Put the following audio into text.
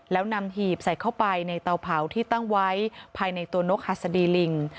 แล้วนำหีบใส่เข้าไปในเตาเผาที่ตั้งไว้ภายในตัวนกหัสดีลิง